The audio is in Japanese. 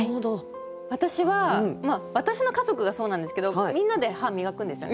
私は私の家族がそうなんですけどみんなで歯磨くんですよね。